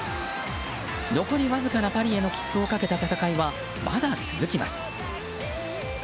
残りわずかなパリへの切符をかけた戦いはまだ続きます。